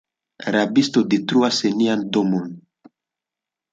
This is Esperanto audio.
Rabisto detruas nian domon!